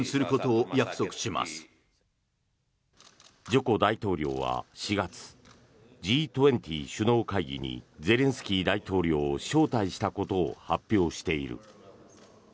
ジョコ大統領は４月Ｇ２０首脳会議にゼレンスキー大統領を招待したことを発表している。